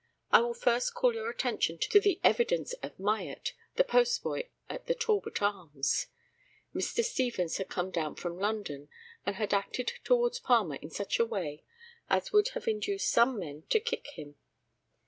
I will first call your attention to the evidence of Myatt, the postboy at the Talbot Arms. Mr. Stevens had come down from London, and had acted towards Palmer in such a way as would have induced some men to kick him.